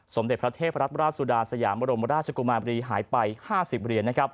สมเด็จพระเทพรัฐราชสุดาสยามบรมราชกุมารบรีหายไป๕๐เหรียญ